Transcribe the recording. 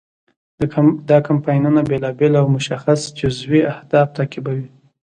دا کمپاینونه بیلابیل او مشخص جزوي اهداف تعقیبوي.